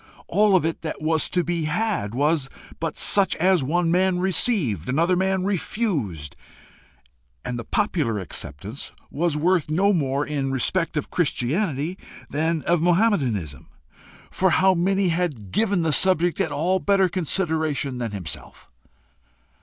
all of it that was to be had, was but such as one man received, another man refused; and the popular acceptance was worth no more in respect of Christianity than of Mahometanism, for how many had given the subject at all better consideration than himself?